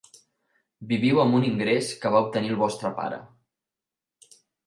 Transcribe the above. Viviu amb un ingrés que va obtenir el vostre pare.